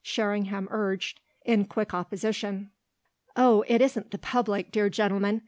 Sherringham urged in quick opposition. "Oh it isn't the public, dear gentlemen.